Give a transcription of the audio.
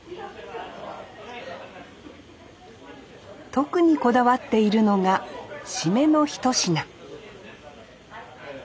特にこだわっているのがシメの一品